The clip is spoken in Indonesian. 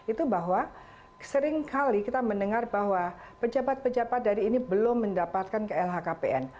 itu bahwa seringkali kita mendengar bahwa pejabat pejabat dari ini belum mendapatkan ke lhkpn